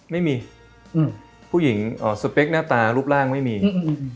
ไม่มีอืมผู้หญิงเอ่อสเปคหน้าตารูปร่างไม่มีอืม